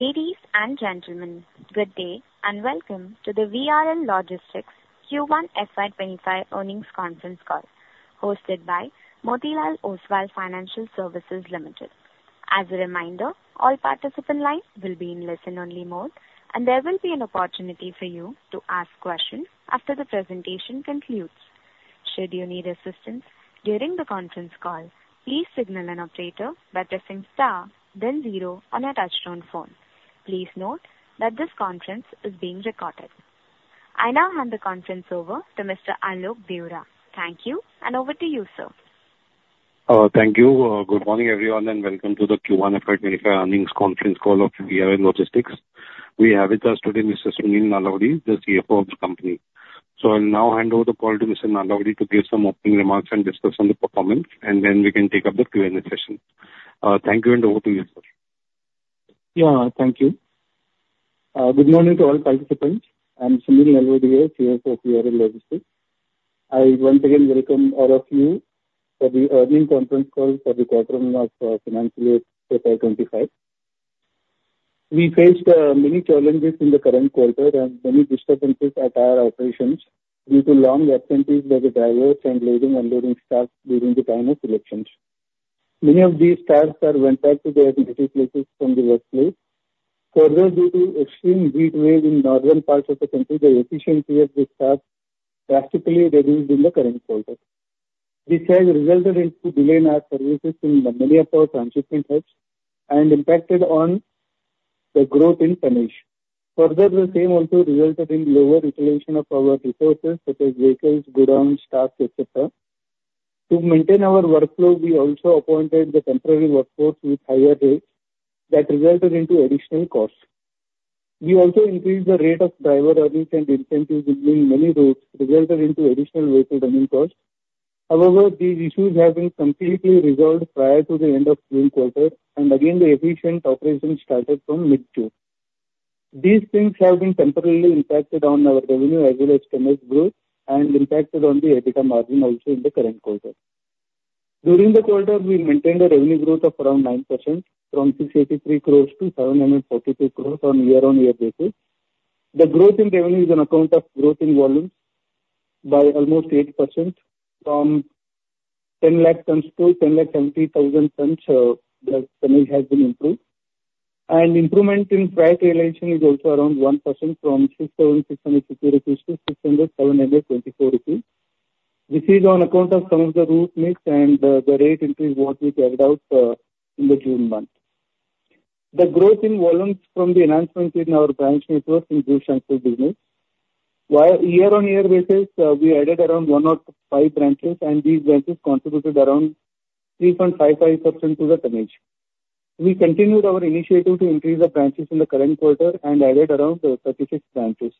Ladies and gentlemen, good day and welcome to the VRL Logistics Q1 FY 25 earnings conference call hosted by Motilal Oswal Financial Services Limited. As a reminder, all participant lines will be in listen-only mode and there will be an opportunity for you to ask questions after the presentation concludes. Should you need assistance during the conference call please signal an operator that by pressing star then zero on your touch-tone phone. Please note that this conference is being recorded. I now hand the conference over to Mr. Alok Deora. Thank you. And over to you sir. Thank you. Good morning everyone and welcome to the Q1 FY 25 earnings conference call of VRL Logistics. We have with us today Mr. Sunil Nalavadi, the CFO of the company. So I'll now hand over the call to Mr. Nalavadi to give some opening remarks and discuss on the performance and then we can take up the Q&A session. Thank you. Over to you, sir. Yeah, thank you. Good morning to all participants. I'm Sunil Nalavadi, CFO of VRL Logistics. I once again welcome all of you for the earnings conference call for the quarter one of financial year FY 25. We faced many challenges in the current quarter and many disturbances at our operations due to long absentees by the drivers and loading unloading staff during the time of elections. Many of these staff went back to their native places from the workplace. Further, due to extreme heat wave in northern parts of the country the efficiency of this has drastically reduced in the current quarter. This has resulted in delay in our services in many of our transit hubs and impacted on the growth in tonnage. Further, the same also resulted in lower utilization of our resources such as vehicles, own staff etc. To maintain our workflow, we also appointed temporary workforce with higher rates that resulted into additional costs. We also increased the rate of driver earnings and incentives in many routes, resulted into additional vehicle running costs. However, these issues have been completely resolved prior to the end of June quarter and again the efficient operation started from mid June. These things have been temporarily impacted on our revenue as well as segment growth and impacted on the EBITDA margin also in the current quarter. During the quarter, we maintained a revenue growth of around 9% from 683 to 742 crores on year-on-year basis. The growth in revenue is on account of growth in volumes by almost 8% from 10 lakh tons to 10 lakh 70,000 tons. The margin has been improved and improvement in price realization is also around 1% from 67,600 to 68,724. This is on account of some of the route mix and the rate increase what we carried out in the June month. The growth in volumes from the enhancements in our branch network improved express business year-on-year basis, we added around 105 branches and these branches contributed around 3.55% to the tonnage. We continued our initiative to increase the branches in the current quarter and added around 36 branches.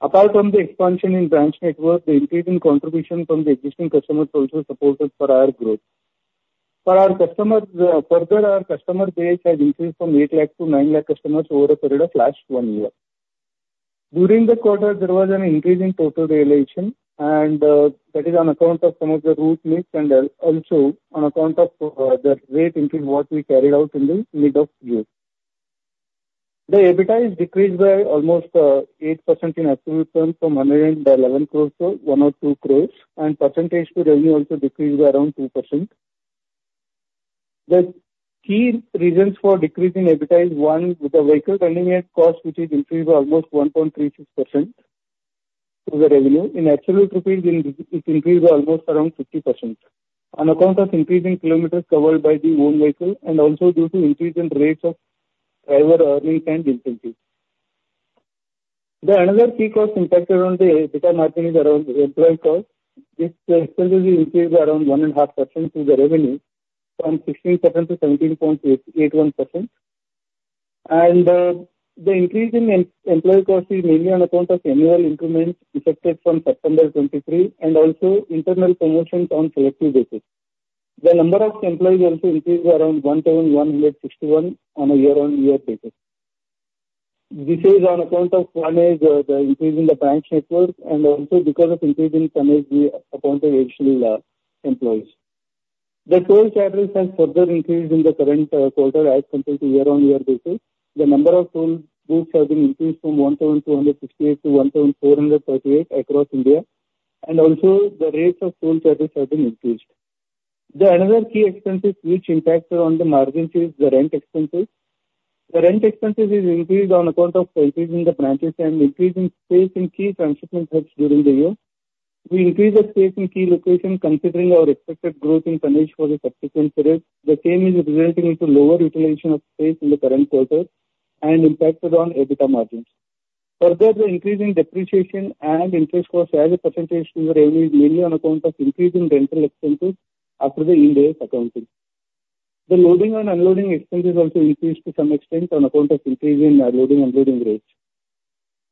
Apart from the expansion in branch network, the increase in contribution from the existing customers also supported for our growth for our customers. Further, our customer base has increased from 8 lakh to 9 lakh customers over a period of last one year. During the quarter there was an increase in total realization and that is on account of some of the route mix and also on account of the rate increase what we carried out in the mid of the year. The EBITDA is decreased by almost 8% in absolute terms from 111 to 102 crores and percentage to revenue also decreased by around 2%. The key reasons for decreasing EBITDA is one with the vehicle running cost which is increased by almost 1.36% to the revenue in absolute rupees, it increased almost around 50% on account of increasing kilometers covered by the own vehicle and also due to increase in rates of diesel and incentives. The another key cost impacted on the EBITDA margin is around employee cost. This increased around 1.5% to the revenue from 16% to 17.81% and the increase in employee cost is mainly on account of annual increments effected from September 2023 and also internal promotions on selective basis. The number of employees also increased around 1,161 on a year-on-year basis. This is on account of one is the increase in the branch network and also because of increasing some as we appointed additional employees. The toll charges has further increased in the current quarter as compared to year-on-year basis. The number of toll groups have been increased from 1,258 to 1,438 across India and also the rates of toll service have been increased. Another key expense which impacted on the margins is the rent expense. The rent expenses is increased on account of rents in the branches and increasing space in key transit hubs during the year we increase the space in key locations considering our expected growth in tonnage for the subsequent period. The same is resulting into lower utilization of space in the current quarter and impacted on EBITDA margins. Further, the increasing depreciation and interest cost as a percentage to the revenue is mainly on account of increasing rental expenses after the Ind AS accounting. The loading and unloading expenses also increased to some extent on account of increase in loading unloading rates.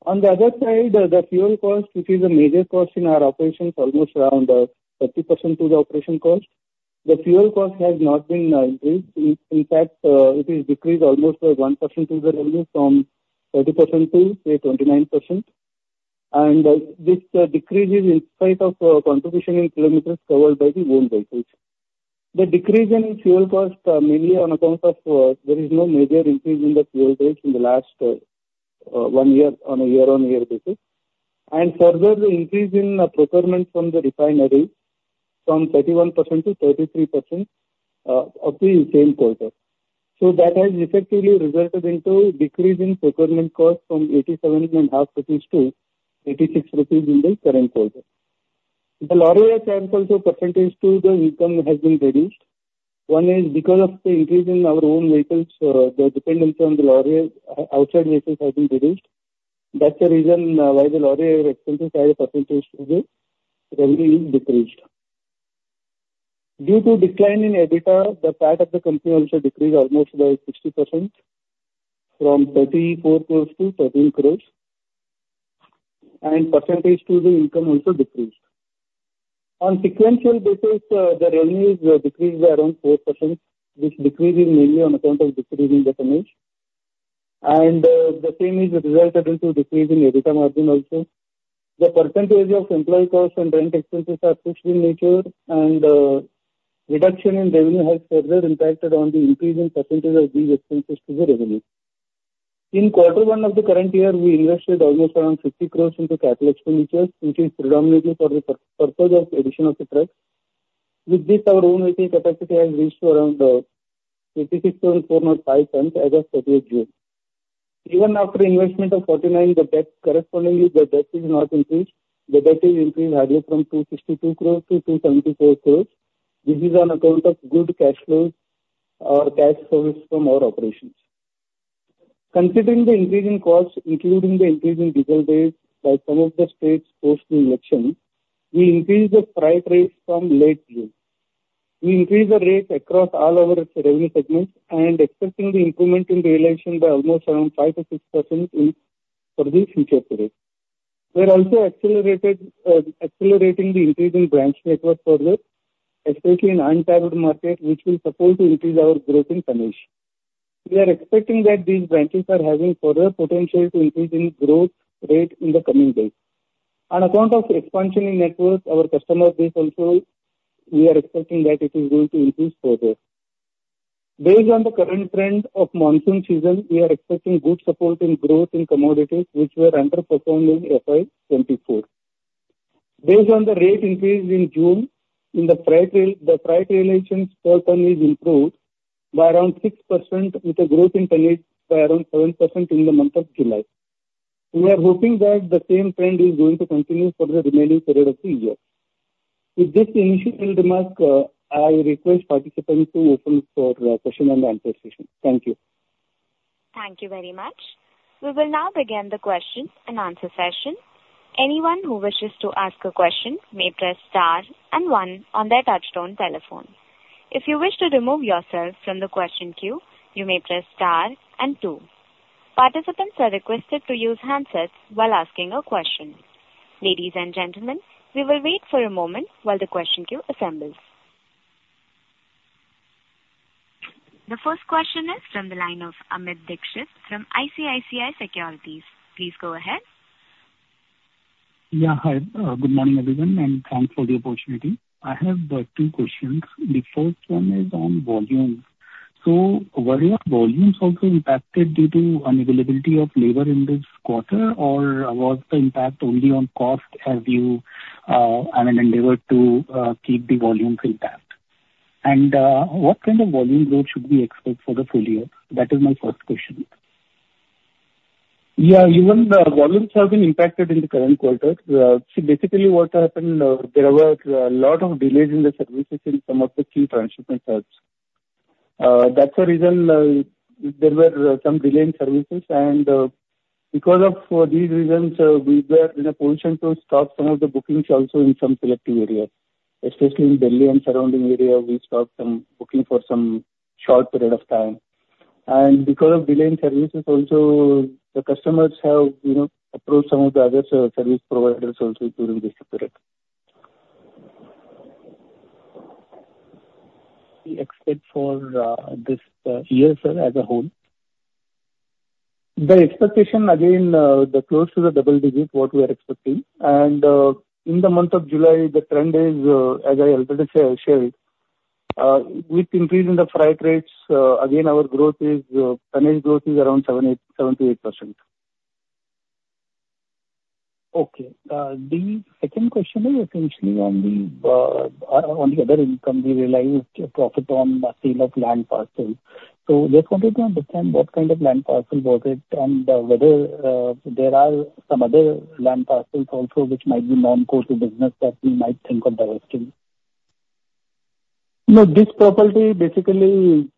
On the other side, the fuel cost which is a major cost in our operations almost around 30% to the operation cost. The fuel cost has not been increased. In fact it is decreased almost by 1% of the revenue from 30% to say 29%. This decrease in size of contribution in kilometers covered by the own vehicles. The decrease in fuel cost mainly on account of there is no major increase in the fuel price in the last one year on a year-on-year basis. Further the increase in procurement from the refinery from 31% to 33% up to the same quarter. So that has effectively resulted into decrease in procurement cost from 87.5 rupees to 86 rupees in the current quarter. The Lorry Hire as a percentage to the income has been reduced. One is because of the increase in our own vehicles. The dependence on the Lorry Hire outside vehicles have been reduced. That's the reason why the Lorry Hire expenses as a percentage to the revenue is decreased due to decline in EBITDA. The PAT of the company also decreased almost by 60% from 34 to 13 crores. The percentage to the income also decreased on sequential basis. The revenues were decreased by around 4% which decreases mainly on account of decreasing the finance. And the same is resulted into decrease in EBITDA margin. Also the percentage of employee cost and rent expenses are fixed in nature. And reduction in revenue has further impacted on the increase in percentage of these expenses to the revenue. In quarter one of the current year, we invested almost around 50 crores into capital expenditures which is predominantly for the purpose of addition of the trucks. With this, our own working capacity has reached around 86,405 as of 30 June. Even after investment of 49 the debt correspondingly the debt is not increased. The debt is increased higher from 262 to 274 crores. This is on account of good cash flows or cash source from our operations. Considering the increase in costs including the increase in holiday days by some of the states post the election, we increased the freight rates from late June. We increased the rate across all of its revenue segments and expecting the improvement in realization by almost around 5%-6% for the future period. We're also accelerating the increasing branch network further especially in untapped market which will support to increase our growth in tonnage. We are expecting that these branches are having further potential to increase in growth rate in the coming days on account of expansion in network. Our customers being from rural we are expecting that it is going to increase further based on the current trend of monsoon season. We are expecting good support in growth in commodities which were underperforming FY 24 based on the rate increase in June. In the price realization, the price realization for tonnage improved by around 6% with a growth in tonnage by around 7% in the month of July. We are hoping that the same trend is going to continue for the remaining period of the year. With this initial remark, I request participants to open for question and answer session. Thank you. Thank you very much. We will now begin the question and answer session. Anyone who wishes to ask a question may press star and one on their touch-tone telephone. If you wish to remove yourself from the question queue, you may press star and two. Participants are requested to use handsets while asking a question. Ladies and gentlemen, we will wait for a moment while the question queue assembles. The first question is from the line of Amit Dixit from ICICI Securities. Please go ahead. Yeah, hi. Good morning everyone and thanks for the opportunity. I have two questions. The first one is on volumes. So were your volumes also impacted due to unavailability of labor in this quarter or was the impact only on cost as you endeavor to keep the volumes intact and what kind of volume growth should we expect for the full year? That is my first question. Yeah, even the volumes have been impacted in the current quarter. See basically what happened there were a lot of delays in the services in some of the key transition hubs. That's the reason there were some delayed services and because of these reasons we were in a position to stop some of the bookings. Also in some selective areas, especially in Delhi and surrounding area we stopped booking for some short period of time and because of delay in services also the customers have approached some of the other service providers also during this period. That except for this year sir, as a whole. The expectation again the close to the double digit what we are expecting and in the month of July the trend is as I already shared with increase in the freight rates. Again our growth is managed growth is around 78%. Okay. The second question is essentially on the other income we realized profit on sale of land parcel. So, just wanted to understand what kind of land parcel project and whether there are some other land parcels also which might be non-core to business that we might think of divesting. No, this property basically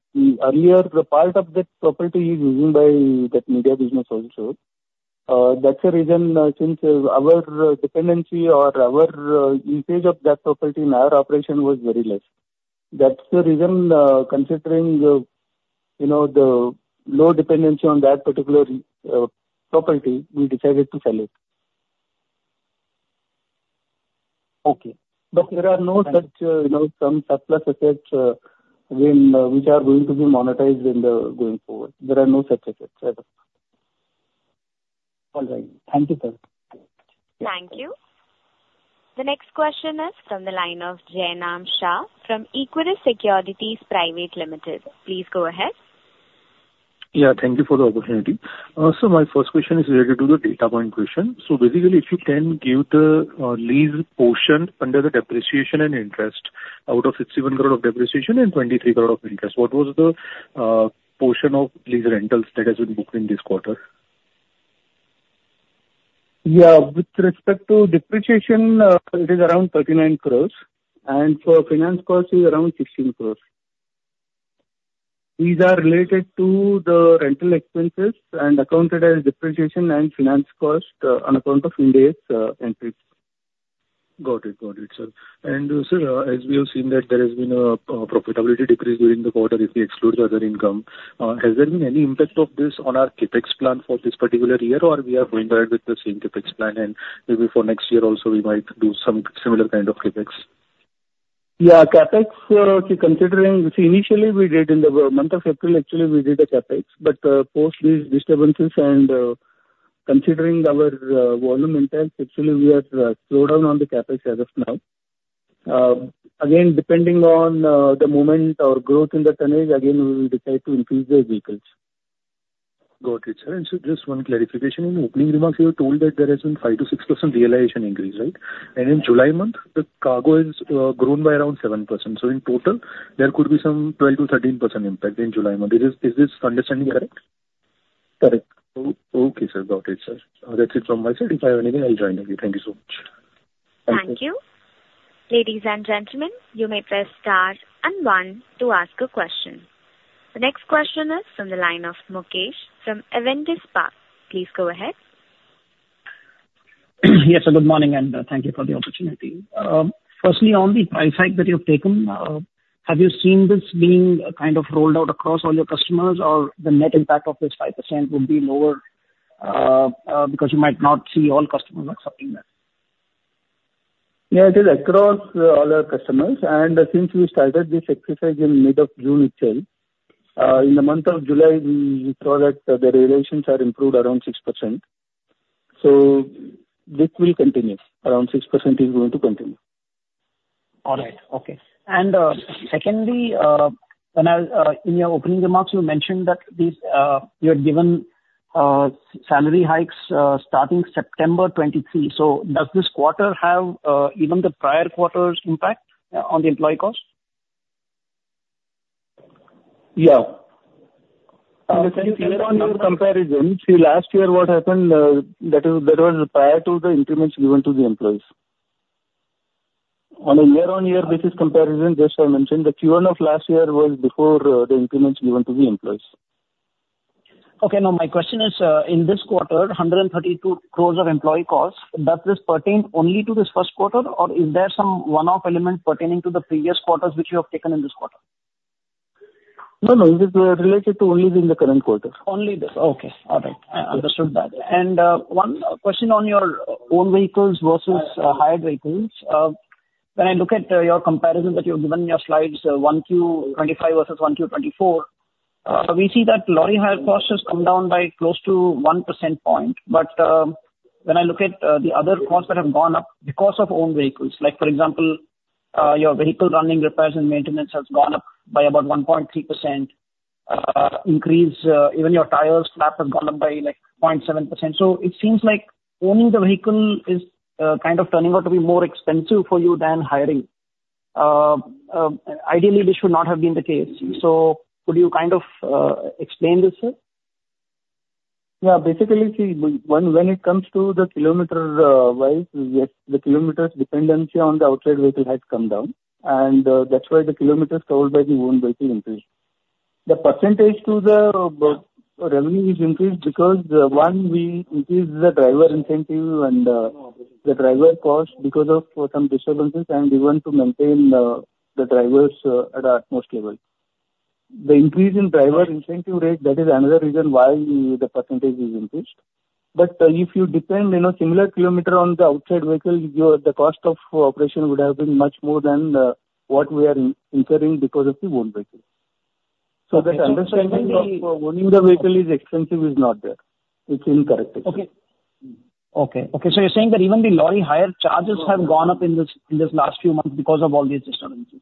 earlier the part of that property is by that media business also. That's the reason since our dependency or our usage of that property in our operation was very less. That's the reason considering, you know, the low dependency on that particular property, we decided to sell it. Okay. But there are no such, you know, some surplus assets which are going to be monetized going forward. There are no such assets. All right, thank you sir. Thank you. The next question is from the line of Jainam Shah from Equirus Securities Private Limited. Please go ahead. Yeah, thank you for the opportunity. My first question is related to the data point question. Basically if you can give the lease portion under the depreciation and interest out of 61 crore of depreciation and 23 crore of interest, what was the? Portion of lease rentals that has been booked in this quarter? Yeah, with respect to depreciation it is around 39 crores and for finance cost is around 16 crores. These are related to the rental expenses and accounted as depreciation and finance cost on account of Ind AS. Got it. Got it, sir. And sir, as we have seen that there has been a profitability decrease during the quarter. If we exclude the other income, has there been any impact of this on our CapEx plan for this particular year or we have remained with the same CapEx plan and maybe for next year also we might do some similar kind of CapEx? Yeah, CapEx considering initially we did in the month of April. Actually, we did a CapEx, but post these disturbances and considering our volume intake, actually we have slow down on the CapEx as of now. Again, depending on the moment or growth in the tonnage, again we will decide to increase the vehicles. Got it, sir. And so just one clarification. In opening remarks, you told that there. Has been 5%-6% realization increase. Right. And in July month the cargo grown by around 7%. So in total there could be some 12%-13% impact in July. Is this understanding correct? Correct. Okay sir, got it sir, that's it. From my side, if I have anything, I'll join. Thank you so much. Thank you. Ladies and gentlemen, you may press star and one to ask a question. The next question is from the line of Mukesh Saraf from Avendus Spark. Please go ahead. Yes, good morning and thank you for the opportunity. Firstly on the price hike that you've taken. Have you seen this being kind of rolled out across all your customers or the net impact of this 5% would be lower because you might not see? All customers accepting this. Yeah, it is across all our customers. And since we started this exercise in mid of June itself in the month of July, we saw that the relations had improved around 6%. So this will continue. Around 6% is going to continue. All right. Okay. And secondly in your opening remarks you mentioned that these you had given salary hikes starting September 23rd. So does this quarter have even the prior quarter's impact on the employee cost? Yeah, see, last year what happened, that is, that was prior to the increments given to the employees on a year-on-year basis comparison. Just, I mentioned the Q1 of last year was before the increments given to the employees. Okay, now my question is in this quarter 132 crores of employee costs. Does this pertain only to this Q1 or is there someone-off element pertaining to the previous quarters which you have taken in this quarter? No, no, it is related to only being the current quarter. Only this. Okay, all right, I understood that and one question on your own vehicles versus hired vehicles. When I look at your comparison that you've given in your slides, 1Q 25 versus 1Q 24, we see that lorry hire cost has come down by close to 1% point, but when I look at the other costs that have gone up because of owned vehicles. like for example your vehicle running repairs and maintenance has gone up by about 1.3% increase. Even your tires flap has gone up by like 0.7%, so it seems like owning the vehicle. Is kind of turning out to be. More expensive for you than hiring. Ideally this should not have been the case. So could you kind of explain this sir? Yeah, basically, see, when it comes to the kilometer wise, yes, the kilometers dependency on the outside vehicle had come down. And that's why the kilometers covered by the own vehicle increased. The percentage to the revenue is increased because one we increase the driver incentive and the driver cost because of some disturbances. And we want to maintain the drivers at most level. The increase in driver incentive rate. That is another reason why the percentage is increased. But if you depend you know similar kilometer on the outside vehicle or the cost of operation would have been much more than what we are incurring because of the own breaking. So that understanding the vehicle is expensive is not there. It's incorrect. Okay, okay, okay. So you're saying that even the lorry hire charges have gone up in this last few months because of all these disturbances.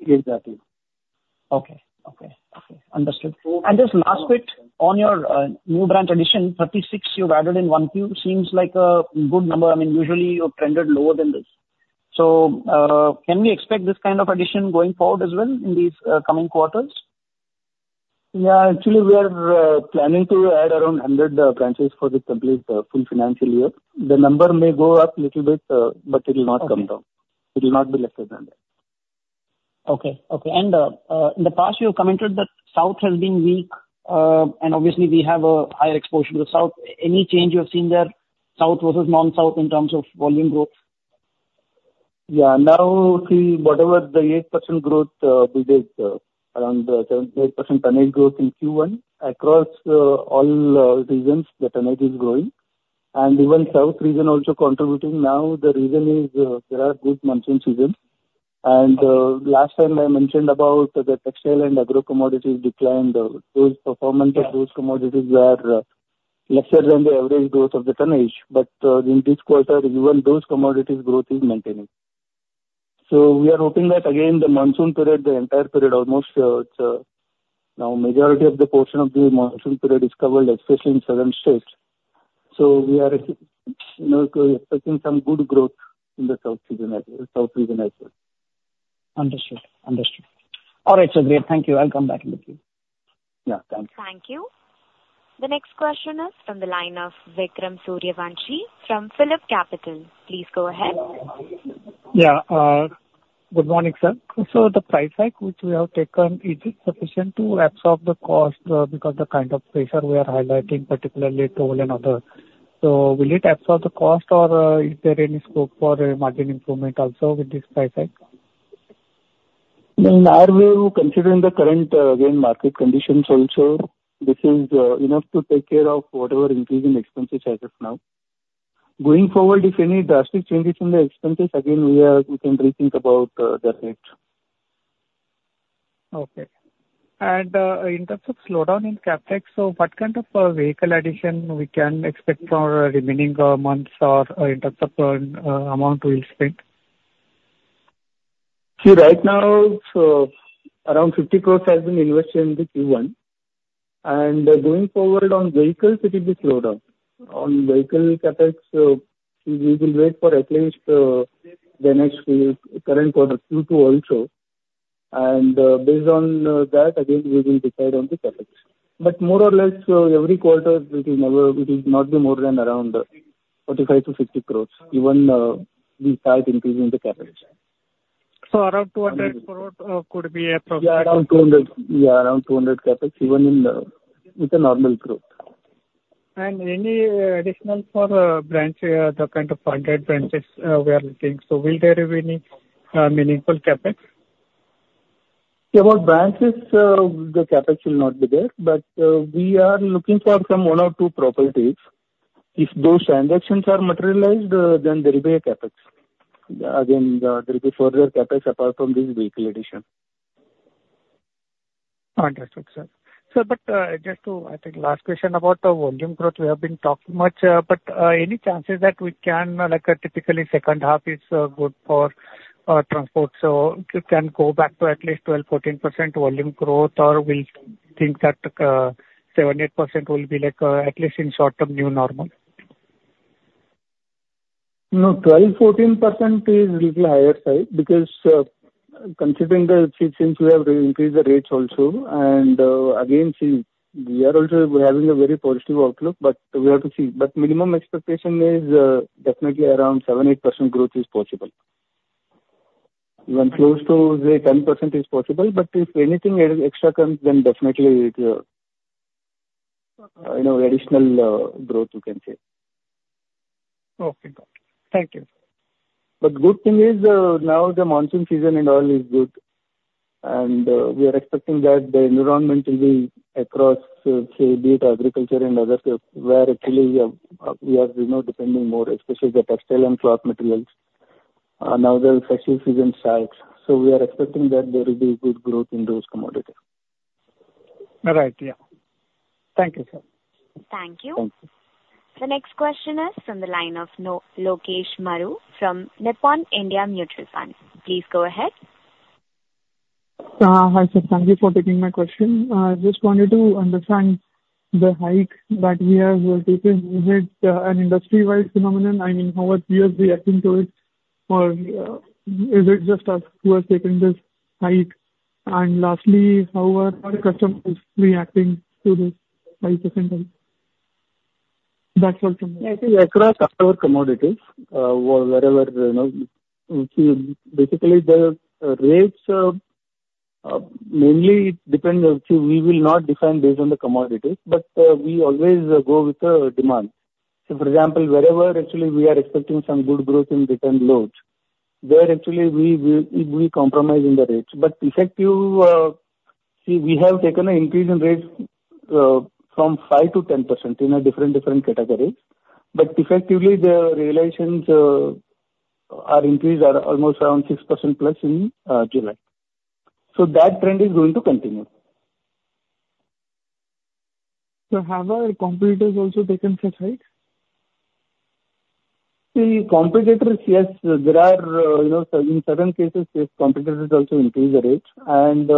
Exactly. Okay, understood. And this last bit on your new branch addition, 36 you've added in 1Q, seems like a good number. I mean usually you've trended lower than this. So can we expect this kind of addition going forward as well in these coming quarters? Yeah, actually we are planning to add around 100 branches for the complete full financial year. The number may go up a little bit but it will not come down. It will not be lesser than that. Okay. Okay. In the past you commented that South has been weak and obviously we have a higher exposure to the South. Any change you have seen there South versus non South in terms of volume growth? Yeah. Now see whatever the 8% growth we did around 7-8% tonnage growth in Q1 across all regions the tonnage is growing and even south region also contributing. Now the reason is there are good monsoon seasons and last time I mentioned about the textile and agro commodities declined. Those performance of those commodities were lesser than the average growth of the tonnage. But in this quarter even those commodities growth is maintaining. So we are hoping that again the monsoon period, the entire period almost now majority of the portion of the monsoon period is covered especially in southern states. So we are expecting some good growth in the south region as well. Understood? Understood. All right, so great. Thank you. I'll come back in the field. Yeah, thank you. The next question is from the line of Vikram Suryavanshi from PhillipCapital. Please go ahead. Yeah. Good morning, sir. So the price hike which we have taken is it sufficient to absorb the cost? Because the kind of pressure we are highlighting, particularly toll and other. So will it absorb the cost or is there any scope for margin improvement? Also, with this price act. We considering the current again market conditions? Also, this is enough to take care of whatever increasing expenses as of now. Going forward, if any drastic changes in the expenses, again we can rethink about the rate. Okay. In terms of slowdown in CapEx so what kind of vehicle addition we can expect for remaining months or in terms of amount we'll spend. See, right now so around 50 crores has been invested in the Q1 and going forward on vehicles it will be slow down on vehicle CapEx. We will wait for at least the next current quarter Q2 also and based on that again we will decide on the CapEx but more or less every quarter it is never it will not be more than around 45 to 50 crores even we start increasing the CapEx so around 200 could be approximately around 200. Yeah, around 200 CapEx even in with a normal growth and any additional for. Regarding the kind of funded branches we are looking, so will there be any? Meaningful CapEx. About branches. The CapEx will not be there but we are looking for some one or two properties if those transactions are materialized then there will be a CapEx again there will be further CapEx apart from this vehicle addition. So, but just to, I think last question about the volume growth we have been talking much, but any chances that we can, like, typically second half is good for transport, so you can go back to at least 12%-14% volume growth, or will think that 7%-8% will be like at least in short term new normal? No 12%-14% is little higher side because considering since we have increased the rates also and again we are also having a very positive outlook but we have to see but minimum expectation is definitely around 7%-8% growth is possible. One close to the 10% is possible, but if anything extra comes then definitely, you know, additional growth you can say. Okay, thank you. But good thing is now the monsoon season and all is good and we are expecting that the environment will be across, say, be it agriculture and other where actually we are depending more especially the textile and cloth materials. Now the special season starts so we are expecting that there will be good. Growth in those commodities. Right? Yeah. Thank you, sir. Thank you. The next question is from the line of Lokesh Maru from Nippon India Mutual Fund. Please go ahead. Thank you for taking my question. I just wanted to understand the hike that we have taken. Is it an industry wide phenomenon? I mean, how are you reacting to it? Or is it just us who are taking this hike? And lastly, how are customers reacting to this? Commodities, wherever. Basically, the rates mainly, it depends. We will not define based on the commodities but we always go with the demand. For example, wherever actually we are expecting some good growth in return load, there actually we will be compromising the rates but effectively, see, we have taken an increase in rates from 5%-10% in different categories but effectively the realizations are increased almost around 6% plus in July so that trend is going to continue. Have our competitors also taken such a hike? The competitors? Yes, there are, you know, in certain cases competitors also increase the rate and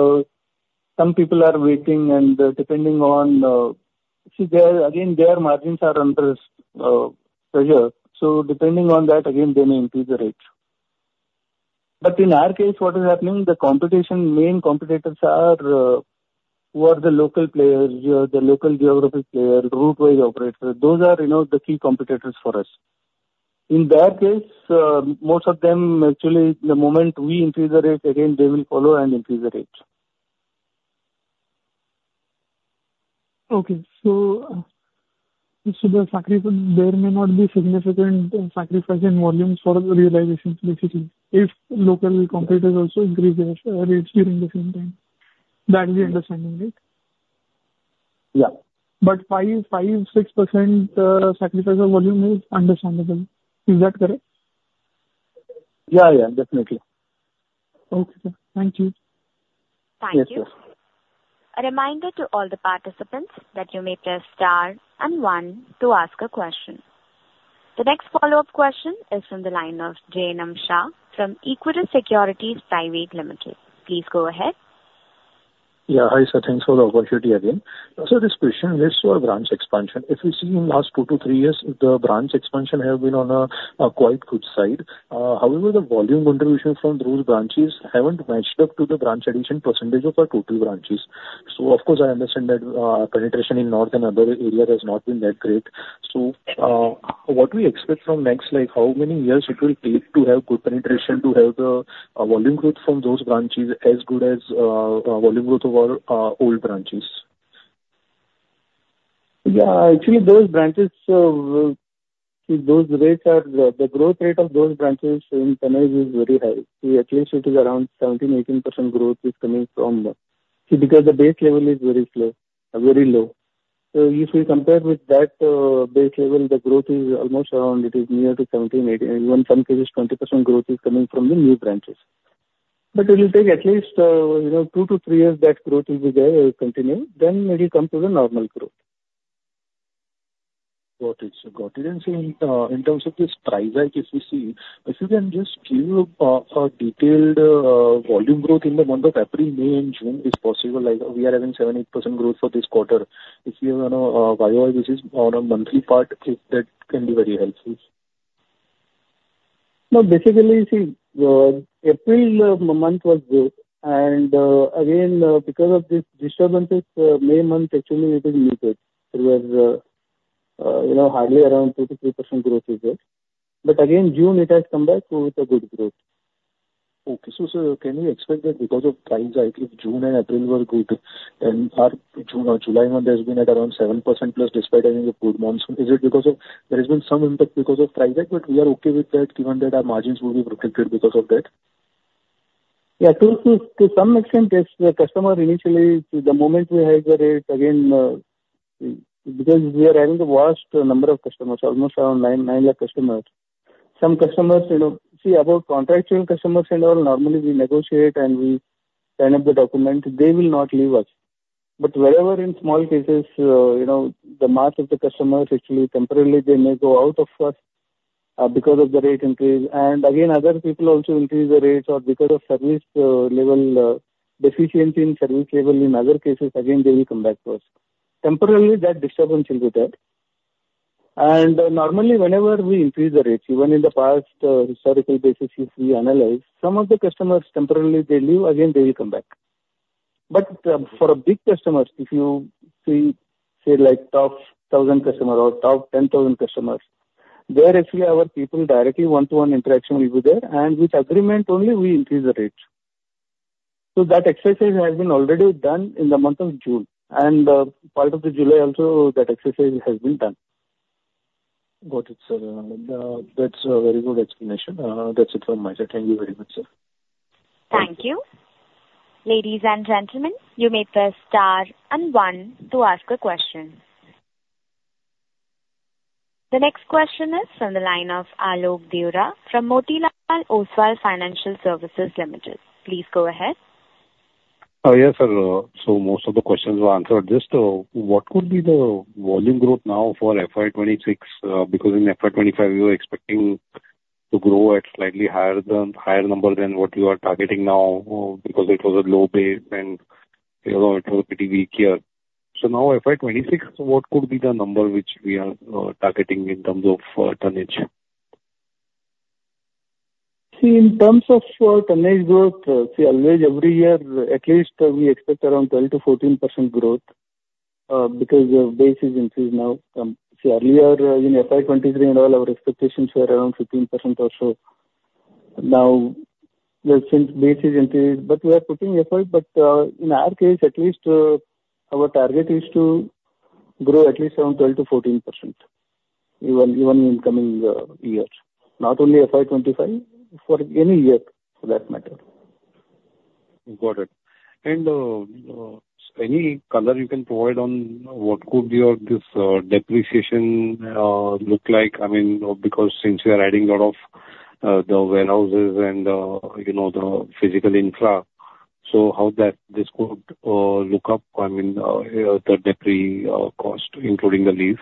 some people are waiting and depending on again their margins are under pressure so depending on that again they may increase the rate but in our case, what is happening the competition main competitors are who are the local players, the local geographic player, route wise operator. Those are, you know, the key competitors for us in that case, most of them actually the moment we increase the rate again they will follow and increase the rate. Okay, so. There may not be significant sacrificing volumes for realization. Basically, if local competitors also increase their rates during the same time. That is the understanding, right? Yeah. But 5, 5, 6% sacrifice of volume is understandable. Is that correct? Yeah, yeah, definitely. Okay, thank you. Thank you. A reminder to all the participants that you may press Star and one to ask a question. The next follow up question is from the line of Jainam Shah from Equirus Securities. Please go ahead. Yeah. Hi sir, thanks for the opportunity again. So this question leads to a branch expansion. If we see in last two to three years the branch expansion have been on a quite good side. However, the volume contribution from those branches haven't matched up to the branch addition percentage of our total branches. So of course I understand that penetration. In North and other areas has not been that great. So what we expect from next like how many years it will take to have good penetration to have the volume growth from those branches as good as volume growth of our old branches? Yeah, actually those branches those rates are. The growth rate of those branches in tonnage is very high. At least it is around 17%-18% growth is coming from, see, because the base level is very slow, very low. So if we compare with that base level the growth is almost around. It is near to 17-18%. Some cases 20% growth is coming from the new branches. But it will take at least, you know, two to three years that growth will be there, will continue, then it will come to the normal growth. Got it, got it. And so in terms of this trend, if we see if you can just. Give a detailed volume growth in the? Month of April, May and June is possible. Like we are having 7%-8% growth for this quarter. If you know why this is on a monthly basis, that can be very helpful. No, basically see, April month was good and again because of this disturbances May month actually it is muted. It was, you know, hardly around 2%-3% growth is there. But again June it has come back with a good growth. Okay, so sir, can we expect that because of times? I think June and. April were good and our June quarter. July month there's been at around 7% plus despite having a good month. Is it because of. There has been some impact because of. TR, but we are okay with that. Given that our margins will be protected because of that? Yeah, to some extent. If the customer initially the moment we hike the rate again, because we are having a vast number of customers almost around nine, nine lakh customers. Some customers, you know, see about contractual customers and all. Normally we negotiate and we sign up the document, they will not leave us. But wherever in small cases, you know, the mass of the customers actually temporarily they may go out first because of the rate increase. And again other people also increase the rates or because of service level deficiency in service level. In other cases again they will come back first temporarily that disturbance will be there. And normally whenever we increase the rates, even in the past historical basis, if we analyze some of the customers temporarily they leave again they will come back. But for a big customer, if you see say like top 1000 customer or top 10,000 customers directly our people directly one to one interaction will be there. And with agreement only we increase the rate. So that exercise has been already done in the month of June and part of the July also that exercise has been done. That's a very good explanation. That's it from my side. Thank you very much, sir. Thank you. Ladies and gentlemen. You may press Star and one to ask a question. The next question is from the line of Alok Deora from Motilal Oswal Financial Services Ltd. Please go ahead. Yes, sir. So most of the questions were answered, just what could be the volume growth now for FY 26? Because in FY 25 we were expecting to grow at slightly higher number than what you are targeting now because it was a low base and you know, it was pretty weak here. So now FY 26, what could be the number which we are targeting? In terms of tonnage. See, in terms of tonnage growth, see always every year at least we expect around 12%-14% growth because the base is increased now see earlier in FY 23 and all our expectations were around 15 or so now since base is integrated, but we are putting effort, but in our case at least our target is to grow at least around 12%-14% even, even in coming years, not only FY 25 for any year for that matter. Got it. And any color you can provide on what could this depreciation look like? I mean, because since we are adding a lot of the warehouses and you know, the physical infra. So how this could look like? I mean the depreciation cost, including the lease.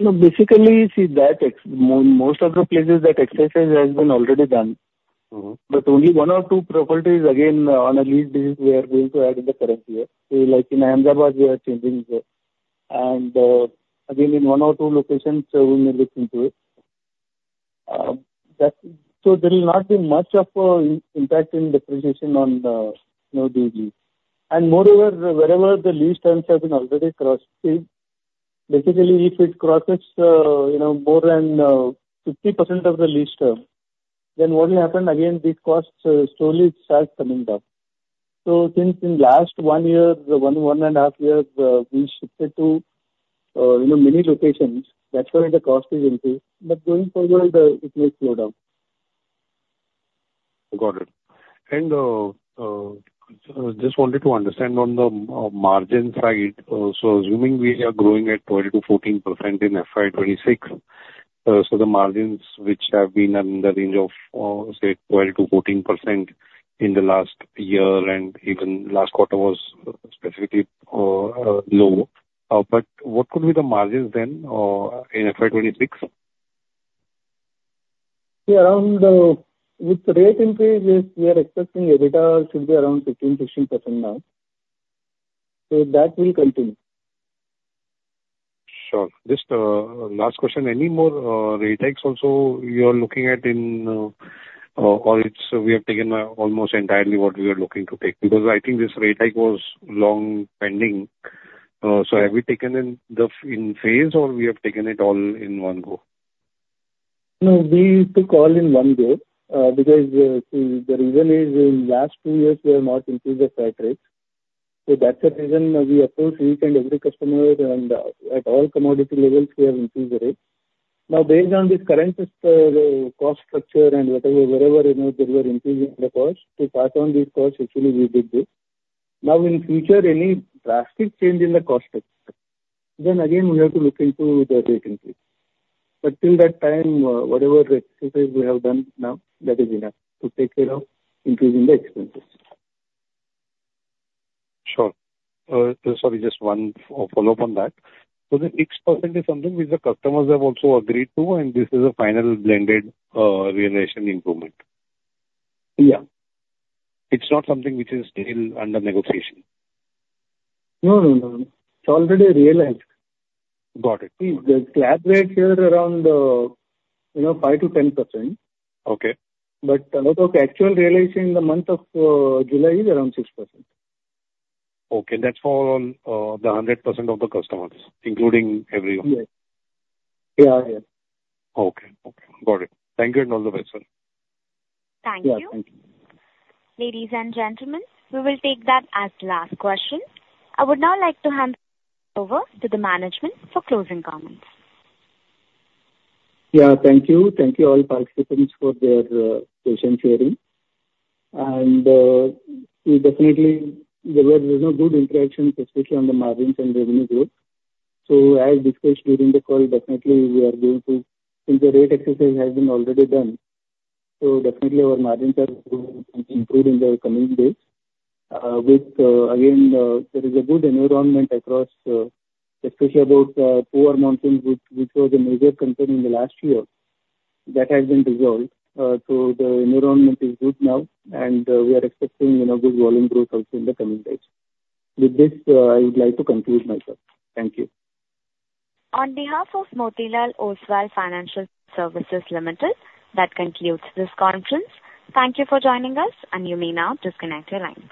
No, basically see that most of the places that exits has been already done. But only one or two properties again on a lease basis we are going to add in the current year like in Ahmedabad, we are changing. And again in one or two locations we may look into it. So there will not be much of impact in depreciation on the P&L. And moreover, wherever the lease terms have been already crossed basically. If it crosses, you know, more than 50% of the lease, then what will happen? Again these costs slowly start coming down. So since in last one year, the 11 and a half years, we shifted to, you know, many locations. That's why the cost is increased. But going forward it may slow down. Got it. And. Just wanted to understand on the margin side, so assuming we are growing at 12 to 14 in FY 26, so the margins which have been in the range of say 12%-14% in the last year and even last quarter was specifically low. But what could be the margins then in FY 26. Around with the rate increases we are expecting? EBITDA should be around 15%-16% now. So that will continue. Sure. Just last question. Any more rates? Also, you are looking at in FY 24 or is it. We have taken almost entirely what we are looking to take because I think this rate hike was long pending. So, have we taken it in phases or we have taken it all in one go? No, we took all in one go because the reason is in last two years we have not increased the freight rate. So that's the reason we approach each and every customer and at all commodity levels, we have increased the rate. Now based on this current cost structure and whatever, wherever, you know, they were increasing the cost to pass on these costs. Actually we did this. Now in future any drastic change in the cost, then again we have to look into the rate increase. But till that time, whatever we have done now, that is enough to take care of increasing the expenses. Sure. Sorry, just one follow up on that. So the 6% is something which the. Customers have also agreed to, and this is a final blended realization improvement. Yeah. It's not something which is still under negotiation. No, no, no. It's already realized. Got it. The slab rate here around the, you know, 5%-10%. Okay. But a lot of actual realization in the month of July is around 6%. Okay. That's for all the 100% of the customers including everyone. Yeah. Yeah. Okay. Okay. Got it. Thank you. All the best, sir. Thank you ladies and gentlemen. We will take that as last question. I would now like to hand over to the management for closing comments. Yeah. Thank you. Thank you all participants for their patient hearing and we definitely there was no good interaction especially on the margins and revenue growth. As discussed during the call, definitely we are going to. Since the rate exercise has been already done, definitely our margins are improved in the coming days with again there is a good environment across especially about poor monsoon which was a major concern in the last year that has been resolved. The environment is good now and we are expecting good volume growth also in the coming days. With this I would like to conclude myself. Thank you on behalf of Motilal Oswal Financial Services Ltd. That concludes this conference. Thank you for joining us. And you may now disconnect your lines.